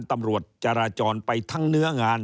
ตำรวจจราจรไปทั้งเนื้องาน